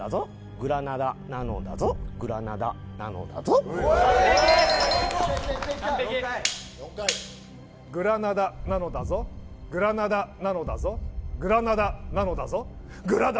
グラナダなのだぞグラナダなのだぞグラナダなのだぞグラナダなの。